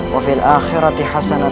wafil akhirati hasanah